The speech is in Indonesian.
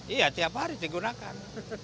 iya tiap hari digunakan